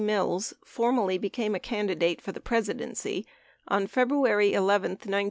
Mills formally became a candidate for the Presidency on February 11, 1972.